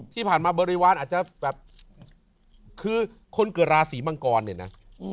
ที่ผ่านมาบริวารอาจจะแบบคือคนเกิดราศีมังกรเนี่ยนะ